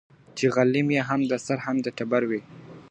چي غلیم یې هم د سر هم د ټبر وي .